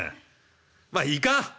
まあいいか！